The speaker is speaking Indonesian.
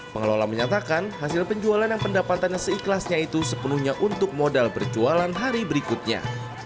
pengelola menyatakan hasil penjualan yang pendapatannya seikhlasnya itu sepenuhnya untuk modal berjualan hari berikutnya